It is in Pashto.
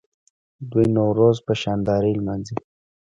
دوی نوروز په شاندارۍ لمانځي.